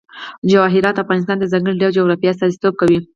جواهرات د افغانستان د ځانګړي ډول جغرافیه استازیتوب کوي.